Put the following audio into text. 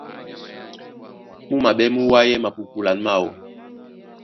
Mú maɓɛ́ mú wayɛ́ mapupulan máō.